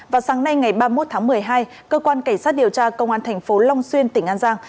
vào sáng nay ngày ba mươi một tháng một mươi hai cơ quan cảnh sát điều tra công an thành phố long xuyên tỉnh an giang